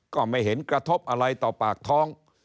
ก็ไม่เห็นกระทบอะไรต่อปากท้อง